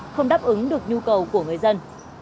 không đáp ứng được nhu cầu của người dân